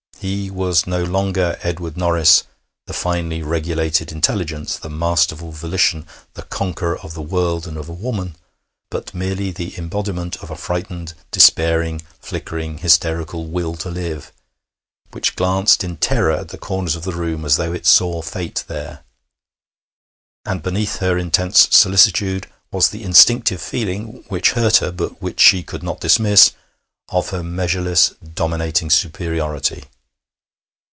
He was no longer Edward Norris, the finely regulated intelligence, the masterful volition, the conqueror of the world and of a woman; but merely the embodiment of a frightened, despairing, flickering, hysterical will to live, which glanced in terror at the corners of the room as though it saw fate there. And beneath her intense solicitude was the instinctive feeling, which hurt her, but which she could not dismiss, of her measureless, dominating superiority.